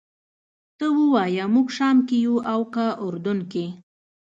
ته ووایه موږ شام کې یو او که اردن کې.